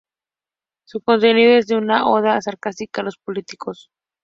Su contenido es una oda sarcástica a los políticos.